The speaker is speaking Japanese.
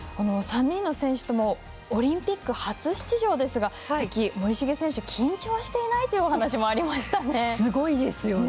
３人の選手ともオリンピック初出場ですがさっき森重選手緊張していないというお話もありましたね。